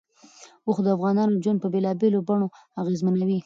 اوښ د افغانانو ژوند په بېلابېلو بڼو اغېزمنوي.